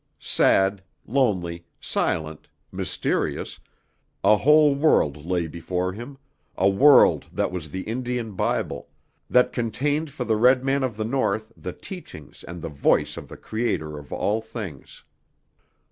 Sad, lonely, silent, mysterious, a whole world lay before him, a world that was the Indian Bible, that contained for the red man of the North the teachings and the voice of the Creator of all things.